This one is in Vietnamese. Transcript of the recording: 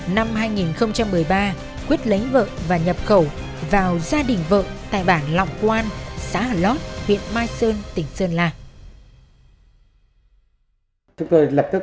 năm hai nghìn một mươi ba quyết lấy vợ và nhập khẩu vào gia đình vợ tại bảng lọc quan xã hà lót huyện mai sơn tỉnh sơn la